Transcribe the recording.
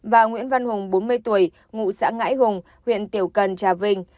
và nguyễn văn hùng bốn mươi tuổi ngụ xã ngãi hùng huyện tiểu cần trà vinh